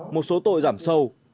một số tội giảm sâu